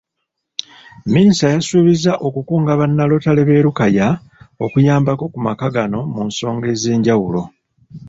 Minisita yasuubizza okukunga bannalotale b'e Lukaya, okuyambako ku maka gano musonga ez'ejawulo.